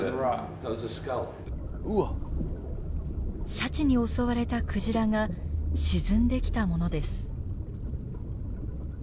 シャチに襲われたクジラが沈んできたものです